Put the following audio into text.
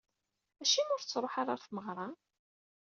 Acimi ur tettruḥu ara ɣer tmeɣra?